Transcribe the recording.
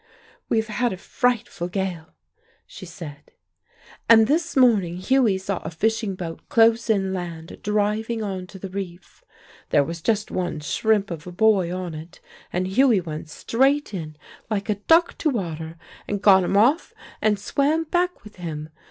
"We have had a frightful gale," she said, "and this morning Hughie saw a fishing boat close in land, driving on to the reef. There was just one shrimp of a boy on it, and Hughie went straight in, like a duck to water, and got him off and swam back with him.